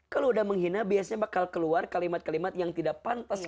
kalau udah menghina biasanya bakal keluar kalimat kalimat yang tidak pantas